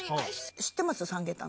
知ってます、サムゲタン？